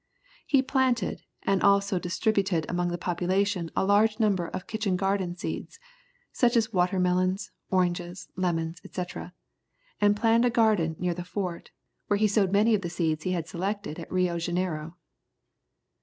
He planted, and also distributed among the population a large number of kitchen garden seeds, such as water melons, oranges, lemons, &c., and planned a garden near the fort, where he sowed many of the seeds he had selected at Rio Janeiro.